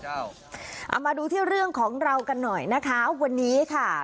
เอามาดูที่เรื่องของเรากันหน่อยนะคะวันนี้ค่ะ